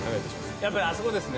やっぱりあそこですね。